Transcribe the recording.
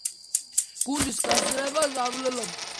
მიმაჩნია, რომ ამჟამად აუცილებელი იქნება გუნდის გაძლიერება.